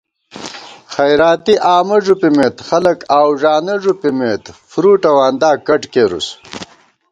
خیراتی آمہ ݫُپِمېت خلَک آؤوݫانہ ݫُپِمېت فرُوٹ اؤ آندا کٹ کېرُس